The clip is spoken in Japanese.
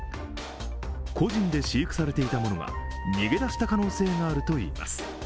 個人で飼育されていたものが逃げ出した可能性があるといいます。